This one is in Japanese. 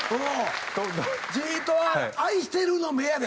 じーっと愛してるの目やで。